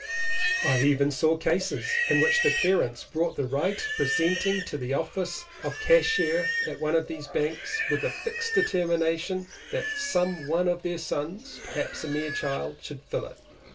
I even saw cases in which parents bought the right of presenting to the office of cashier at one of these banks, with the fixed determination that some one of their sons (perhaps a mere child) should fill it.